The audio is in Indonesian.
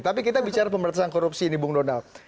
tapi kita bicara pemberantasan korupsi ini bung donald